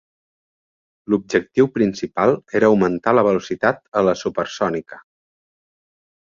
L'objectiu principal era augmentar la velocitat a la supersònica.